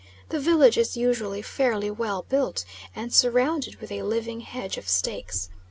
The village is usually fairly well built, and surrounded with a living hedge of stakes.